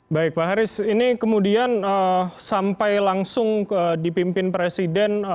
baik pak haris ini kemudian sampai langsung dipimpin presiden